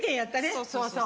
そうそうそう。